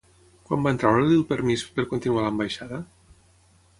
Quan van treure-li el permís per continuar a l'ambaixada?